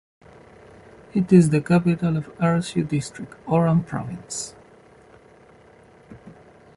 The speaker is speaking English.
It is the capital of Arzew District, Oran Province.